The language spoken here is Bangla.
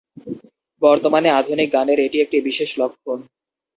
বর্তমানে আধুনিক গানের এটি একটি বিশেষ লক্ষণ।